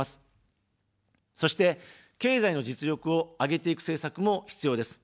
そして、経済の実力を上げていく政策も必要です。